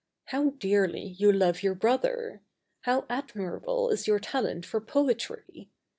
How dearly you love your Brother! How admirable is your talent for poetry!